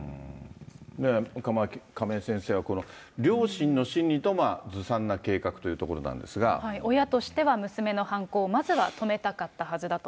亀井先生はこの両親の心理とずさんな計画というところなんで親としては娘の犯行をまずは止めたかったはずだと。